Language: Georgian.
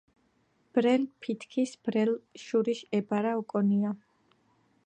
ბრელ ფითქის ბრელ შურიშ ებარა ოკონია.